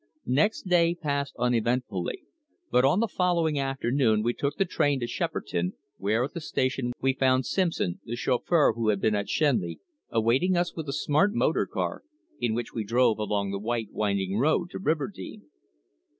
Next day passed uneventfully, but on the following afternoon we took train to Shepperton, where at the station we found Simpson, the chauffeur who had been at Shenley, awaiting us with a smart motor car, in which we drove along the white winding road to Riverdene.